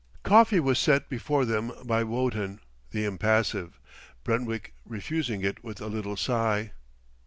Coffee was set before them by Wotton, the impassive, Brentwick refusing it with a little sigh.